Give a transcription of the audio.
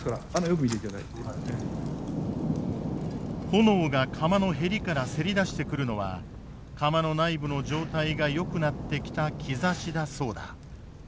炎が釜のヘリからせり出してくるのは釜の内部の状態がよくなってきた兆しだそうだ。